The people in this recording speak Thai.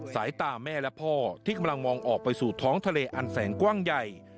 สายตาแม่และพ่อที่กำลังมองออกไปสู่ท้องทะเลอันแสงกว้างใหญ่